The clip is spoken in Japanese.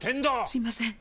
すみません